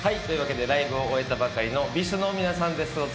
というわけでライブを終えたばかりのＢｉＳの皆さんです。